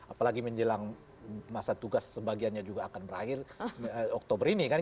apalagi menjelang masa tugas sebagiannya juga akan berakhir oktober ini kan